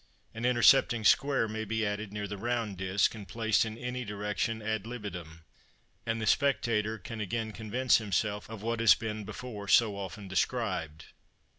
An intercepting square may be added near the round disk, and placed in any direction ad libitum, and the spectator can again convince himself of what has been before so often described.